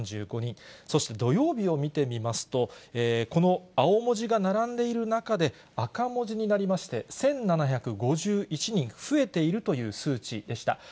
そして土曜日を見てみますと、この青文字が並んでいる中で、赤文字になりまして、１７５１人増えているという数値でした。